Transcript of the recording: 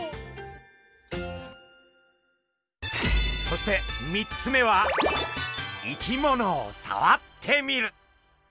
そして３つ目は生き物を触ってみる。